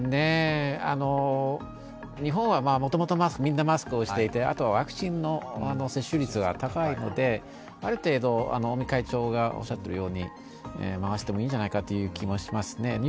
日本はもともとみんなマスクをしていて、あとはワクチンの接種率が高いのである程度、尾身会長がおっしゃっているように回してもいいんじゃないかという気もしますね。